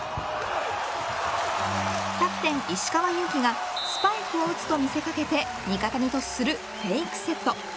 キャプテン石川祐希がスパイクを打つと見せ掛けて味方にパスするフェイクセット。